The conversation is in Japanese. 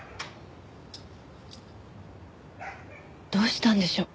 どうしたんでしょう？